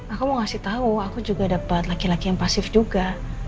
aku mau kasih tau aku juga dapet laki laki yang pasif juga